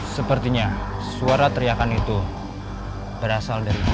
sepertinya suara teriakan itu berasal dari